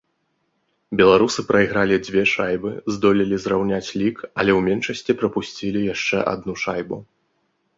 Беларусы прайгравалі дзве шайбы, здолелі зраўняць лік, але ў меншасці прапусцілі яшчэ адну шайбу.